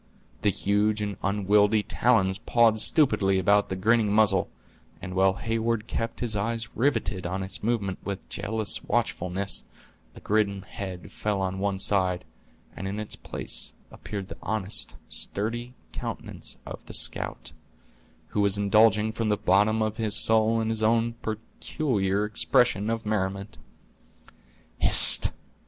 The huge and unwieldy talons pawed stupidly about the grinning muzzle, and while Heyward kept his eyes riveted on its movements with jealous watchfulness, the grim head fell on one side and in its place appeared the honest sturdy countenance of the scout, who was indulging from the bottom of his soul in his own peculiar expression of merriment. "Hist!"